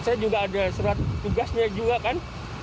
saya juga ada surat tugasnya juga kan